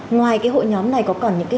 ngoài cái hội nhóm này có còn những cái